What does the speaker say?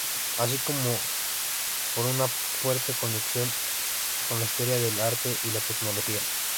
Así como por una fuerte conexión con la historia del arte y la tecnología.